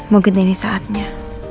mungkin ini saatnya